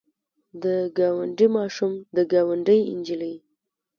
د ګاونډي ماشوم د ګاونډۍ نجلۍ.